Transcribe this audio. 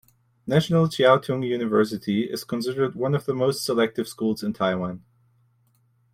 National Chiao Tung University is considered one of the most selective schools in Taiwan.